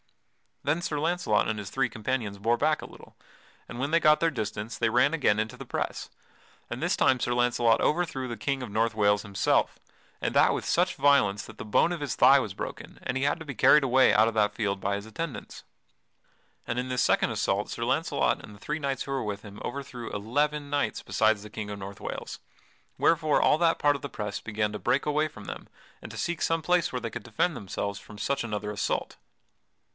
Then Sir Launcelot and his three companions bore back a little, and when they got their distance they ran again into the press, and this time Sir Launcelot overthrew the King of North Wales himself, and that with such violence that the bone of his thigh was broken, and he had to be carried away out of that field by his attendants. And in this second assault Sir Launcelot and the three knights who were with him overthrew eleven knights besides the King of North Wales, wherefore all that part of the press began to break away from them and to seek some place where they could defend themselves from such another assault.